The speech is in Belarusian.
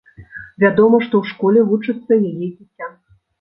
Вядома, што ў школе вучыцца яе дзіця.